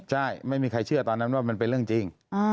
ใช่ไม่มีใครเชื่อตอนนั้นว่ามันเป็นเรื่องจริง